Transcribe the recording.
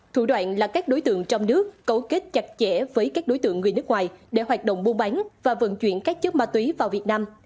thủ đoạn là các đối tượng trong nước cấu kết chặt chẽ với các đối tượng người nước ngoài